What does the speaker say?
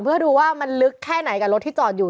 เพื่อดูว่ามันลึกแค่ไหนกับรถที่จอดอยู่